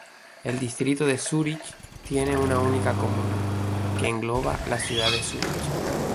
El distrito de Zúrich tiene una única comuna, que engloba la ciudad de Zúrich.